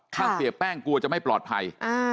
ถ้าเสียแป้งกลัวจะไม่ปลอดภัย